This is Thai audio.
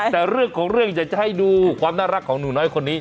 แต่เรื่องของเรื่องอยากจะให้ดูความน่ารักของหนูน้อยคนนี้